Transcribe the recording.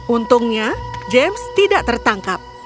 untungnya james tidak tertangkap